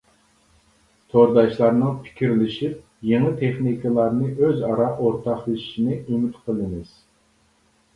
تورداشلارنىڭ پىكىرلىشىپ يېڭى تېخنىكىلارنى ئۆزئارا ئورتاقلىشىشىنى ئۈمىد قىلىمىز.